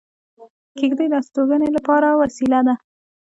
کېږدۍ د استوګنې لپاره وسیله ده